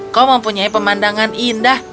kau mempunyai pemandangan indah